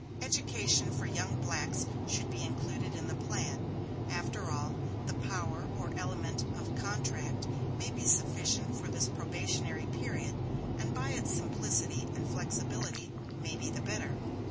Education for young blacks should be included in the plan. After all, the power or element of 'contract' may be sufficient for this probationary period, and by its simplicity and flexibility may be the better."